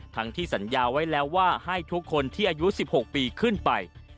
ที่สัญญาไว้แล้วว่าให้ทุกคนที่อายุ๑๖ปีขึ้นไป